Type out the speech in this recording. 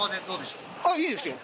いいですよ。